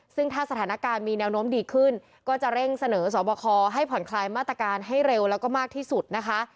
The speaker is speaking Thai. ซึ่งถ้าสถานการณ์มีแนวโน้มดีขึ้นก็จะเร่งเสนอสอบคอให้ผ่อนคลายมาตรการให้เร็วแล้วก็มากที่สุดนะคะ